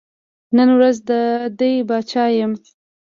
نن ورځ دا دی پاچا یم.